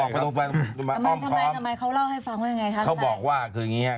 ทำไมทำไมทำไมเขาเล่าให้ฟังว่าไงครับ